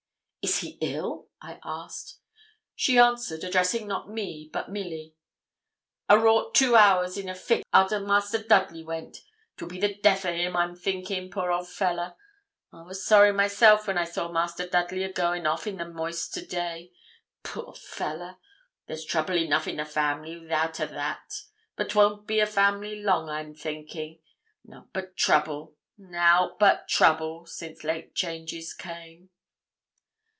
'Is he ill?' I asked. She answered, addressing not me, but Milly 'A wrought two hours in a fit arter Master Dudley went. 'Twill be the death o' him, I'm thinkin', poor old fellah. I wor sorry myself when I saw Master Dudley a going off in the moist to day, poor fellah. There's trouble enough in the family without a' that; but 'twon't be a family long, I'm thinkin'. Nout but trouble, nout but trouble, since late changes came.'